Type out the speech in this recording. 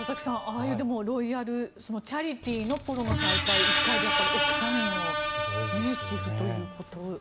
ああいうロイヤルチャリティーのポロの大会１回で億単位の寄付ということで。